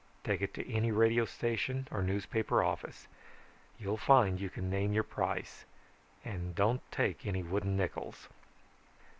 Take it to any radio station or newspaper office. You'll find you can name your price and don't take any wooden nickels.